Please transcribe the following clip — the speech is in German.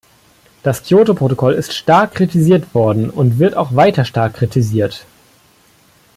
Das Kyoto-Protokoll ist stark kritisiert worden, und wird auch weiter stark kritisiert.